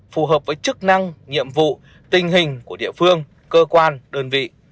phù hợp với chức năng nhiệm vụ tình hình của địa phương cơ quan đơn vị